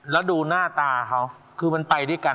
แล้วดูหน้าตาเขาคือมันไปด้วยกัน